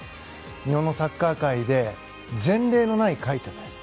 日本のサッカー界で前例のない快挙。